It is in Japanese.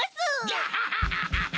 ガハハハハハ！